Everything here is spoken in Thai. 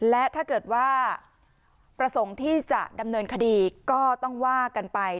และถ้าเกิดว่าประสงค์ที่จะดำเนินคดีก็ต้องว่ากันไป